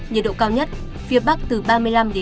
nhiệt độ thấp nhất phía bắc từ hai mươi ba hai mươi sáu độ